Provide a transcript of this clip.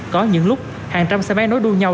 có những lúc hàng trăm xe máy nối đuôi nhau